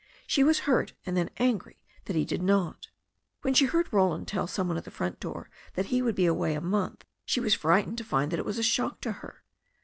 She was hurt and then angry that he did not. When she heard Roland tell some one at the front door that he would be away a month she was frightened to find that it was a shock to her.